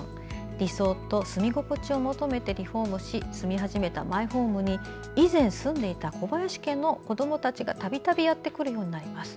理想と住み心地を求めてリフォームし住み始めたマイホームに以前、住んでいた小林家の子どもたちがたびたびやってくるようになります。